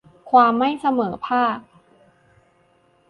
ความไม่เสมอภาค